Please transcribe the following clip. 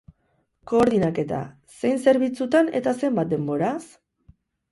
Koordainketa, zein zerbitzutan eta zenbat denboraz?